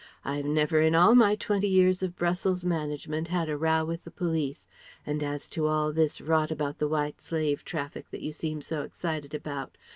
I've never in all my twenty years of Brussels management had a row with the police.... And as to all this rot about the White Slave Traffic that you seem so excited about